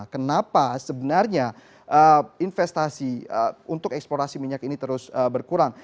kenapa sebenarnya investasi untuk eksplorasi minyak ini terus berkurang